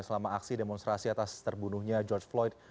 selama aksi demonstrasi atas terbunuhnya george floyd